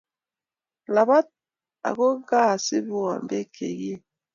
Labat ako kaa asiibwon pek chekiey.